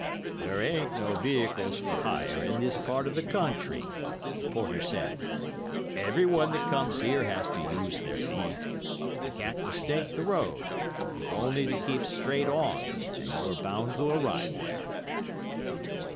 "'There ain't no vehicles for hire in this part of the country,' the porter said. 'Everyone that comes here has to use their feet. You can't mistake the road. You've only to keep straight on—and you are bound to arrive there.